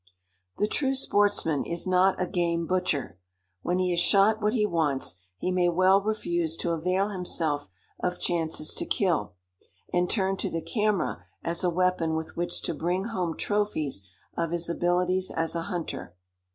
The true sportsman is not a game butcher. When he has shot what he wants, he may well refuse to avail himself of chances to kill, and turn to the camera as a weapon with which to bring home trophies of his abilities as a hunter.